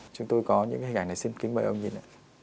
chúng tôi có những hình ảnh này xin kính mời ông nhìn ạ